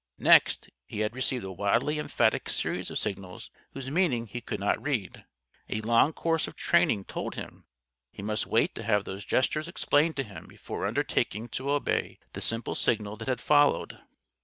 Next, he had received a wildly emphatic series of signals whose meaning he could not read. A long course of training told him he must wait to have these gestures explained to him before undertaking to obey the simple signal that had followed.